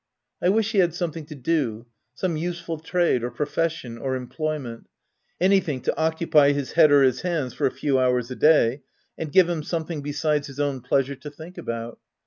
I wish he had something to do, some useful trade, or profession, or employment — anything to occupy his head or his hands for a few hours a day, and give him something besides his own pleasure to think about.